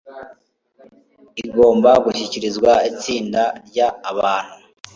igomba gushyikirizwa itsinda rya abantu